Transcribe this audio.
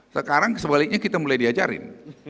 sekarang sebaliknya kita mulai diajarin